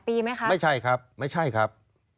เป็น๘ปีไหมครับไม่ใช่ครับ